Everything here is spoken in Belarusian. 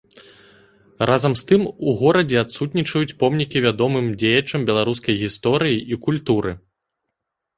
Разам з тым у горадзе адсутнічаюць помнікі вядомым дзеячам беларускай гісторыі і культуры.